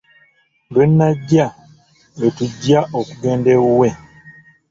Lwe nnajja lwe tujja okugendayo ewuwe.